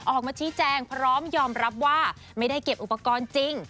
ออกมาชี้แจงพร้อมยอมรับว่าไม่ได้เก็บอุปกรณ์จริง